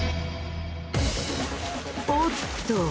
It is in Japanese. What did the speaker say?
おおっと。